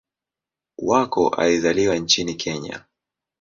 Wako alizaliwa nchini Kenya.